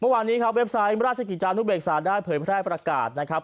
เมื่อวานนี้ครับเว็บไซต์ราชกิจจานุเบกษาได้เผยแพร่ประกาศนะครับ